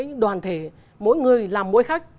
nhưng đoàn thể mỗi người làm mỗi khác